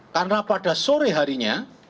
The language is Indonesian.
karena pada sore harinya